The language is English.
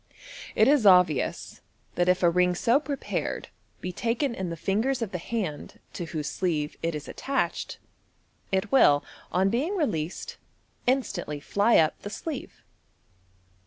It is obvious that if a ring so prepared be taken in the ringers of the hand to whose sleeve it is attached, it will, on being released, instantly fly up the sleeve.